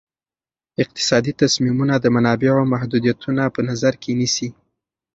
اقتصادي تصمیمونه د منابعو محدودیتونه په نظر کې نیسي.